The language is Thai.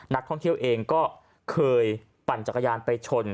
นักท่องเที่ยวเองก็เคยปั่นจักรยานไปชน